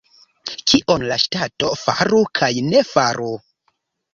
Kion la ŝtato faru kaj ne faru?